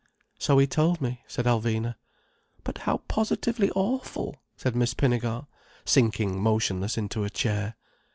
"So he told me," said Alvina. "But how positively awful," said Miss Pinnegar, sinking motionless into a chair.